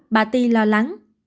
bà ti lo lắng